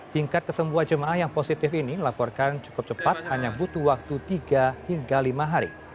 tingkat kesembuhan jemaah yang positif ini laporkan cukup cepat hanya butuh waktu tiga hingga lima hari